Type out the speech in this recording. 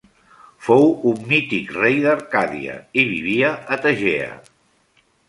Fou un mític rei d'Arcàdia i vivia a Tegea.